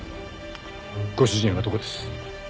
ご主人はどこです？